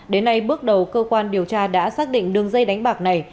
đến nay bước đầu cơ quan điều tra đã xác định đường dây đánh bạc này